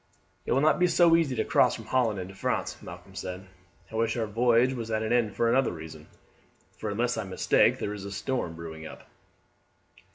"It will not be so easy to cross from Holland into France," Malcolm said. "I wish our voyage was at an end for another reason, for unless I mistake there is a storm brewing up."